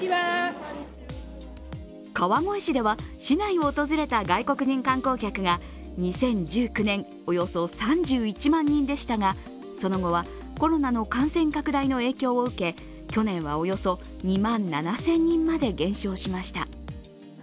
川越市では、市内を訪れた外国人観光客が２０１９年、およそ３１万人でしたが、その後はコロナの感染拡大の影響を受け去年はおよそ２万７０００人まで減少しました。